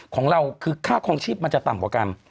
ของเราคือค่าคลองชีพมันจะต่ำกว่ากัน